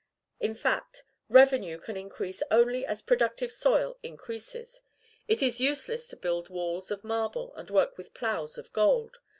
In fact, revenue can increase only as productive soil increases: it is useless to build walls of marble, and work with plows of gold.